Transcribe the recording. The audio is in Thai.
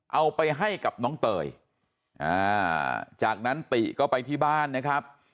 เอาไปให้กับน้องเตยอ่าจากนั้นติก็ไปที่บ้านนะครับ